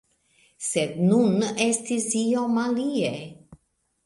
Sed nun estis iom alie.